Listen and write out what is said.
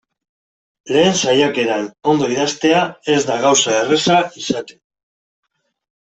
Lehen saiakeran ondo idaztea ez da gauza erraza izaten.